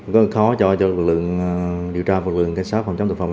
rất là khó cho lực lượng điều tra lực lượng xác định được cái dấu vết thực phẩm